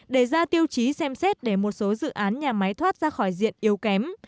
để ra tiêu chí xem xét để một số dự án nhà máy thoát ra khỏi diện yếu kém